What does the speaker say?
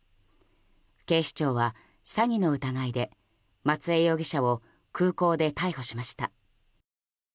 警視庁は詐欺の疑いで松江容疑者を空港で逮捕しました。